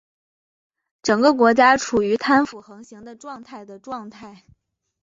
整个国家处于贪腐横行的状态的状态。